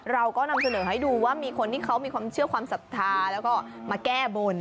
เราก็นำเสนอให้ดูว่ามีคนที่เขามีความเชื่อความศรัทธาแล้วก็มาแก้บน